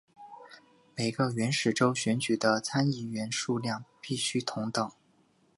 每个原始州选举的参议员数量必须同等。